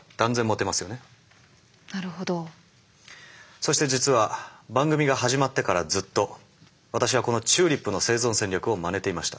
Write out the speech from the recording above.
そして実は番組が始まってからずっと私はこのチューリップの生存戦略をまねていました。